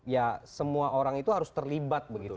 ya semua orang itu harus terlibat begitu